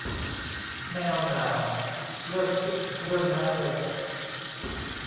ไม่เอาหน่า เลิกคิดเรื่องนั้นเถอะ